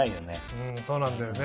うんそうなんだよね。